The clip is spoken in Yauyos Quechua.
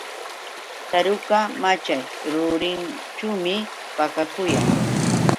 Taruka machay rurinćhuumi pakakuyan.